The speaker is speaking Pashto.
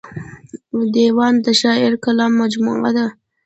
دېوان د شاعر د کلام مجموعه ده.